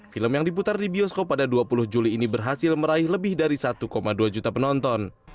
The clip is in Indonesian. film yang diputar di bioskop pada dua puluh juli ini berhasil meraih lebih dari satu dua juta penonton